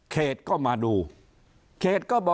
เขาก็ไปร้องเรียน